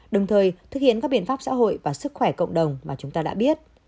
đồng thời thực hiện các biện pháp xã hội và sức khỏe cộng đồng mà chúng ta đã biết